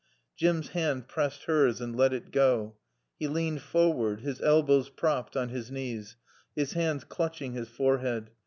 Jim's hand pressed hers and let it go. He leaned forward, his elbows propped on his knees, his hands clutching his forehead.